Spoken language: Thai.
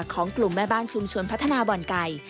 ของกลุ่มแม่บ้านชุมชนพัฒนาบ่อนไก่